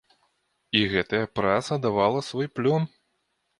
І гэтая праца давала свой плён.